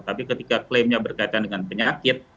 tapi ketika klaimnya berkaitan dengan penyakit